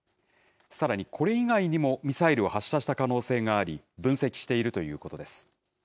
さらに、これ以外にもミサイルを発射した可能性があり、分析しているということです。